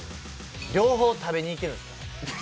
両方、食べに行けるんです。